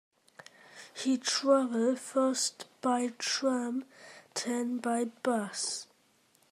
He travelled first by tram, then by bus